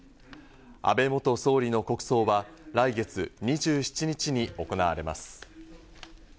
安倍元総理の国葬は来月２７日に行われます。